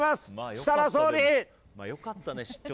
設楽総理。